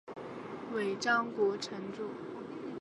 尾张国城主。